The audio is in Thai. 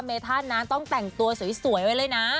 เมธันนะต้องแต่งตัวสวยไว้เลยนะ